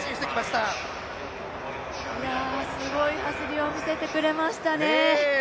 いやすごい走りを見せてくれましたね。